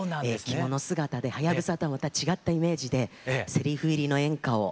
着物姿で「はやぶさ」とはまた違ったイメージでせりふ入りの演歌を歌わせて頂きます。